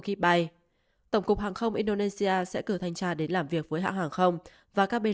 khi bay tổng cục hàng không indonesia sẽ cử thanh tra đến làm việc với hãng hàng không và các bên